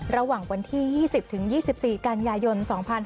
ระหว่างวันที่๒๐๒๔กันยายน๒๕๕๙